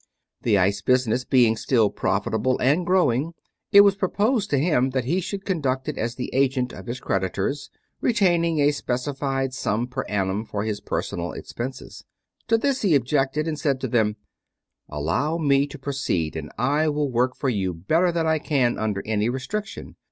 The ice business being still profitable and growing, it was proposed to him that he should conduct it as the agent of his creditors, retaining a specified sum per annum for his personal expenses. To this he objected, and said to them: "Allow me to proceed, and I will work for you better than I can under any restriction.